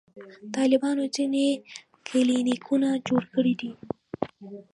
طالبانو ځینې کلینیکونه جوړ کړي دي.